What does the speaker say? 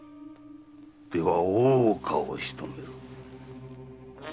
では大岡をしとめろ。